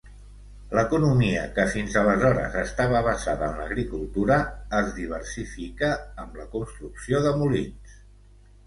L'economia que fins aleshores estava basada en l'agricultura es diversifica amb la construcció de molins.